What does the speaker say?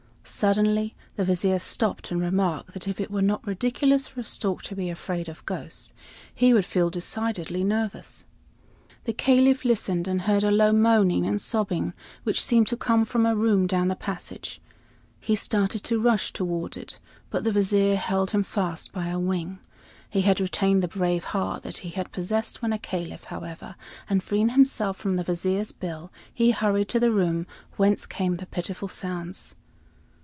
Suddenly the Vizier stopped and remarked that if it were not ridiculous for a stork to be afraid of ghosts, he would feel decidedly nervous. The Caliph listened, and heard a low moaning and sobbing, which seemed to come from a room down the passage. He started to rush toward it, but the Vizier held him fast by a wing. He had retained the brave heart that he had possessed when a Caliph, however, and freeing himself from the Vizier's bill, he hurried to the room whence came the pitiful sounds.